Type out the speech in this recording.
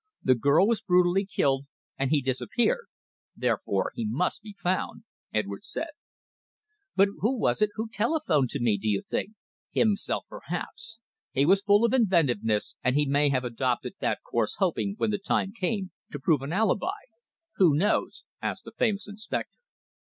The girl was brutally killed, and he disappeared. Therefore he must be found," Edwards said. "But who was it who telephoned to me, do you think?" I asked. "Himself, perhaps. He was full of inventiveness, and he may have adopted that course hoping, when the time came, to prove an alibi. Who knows?" asked the famous inspector.